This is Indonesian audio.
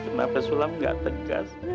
kenapa sulam tidak tegas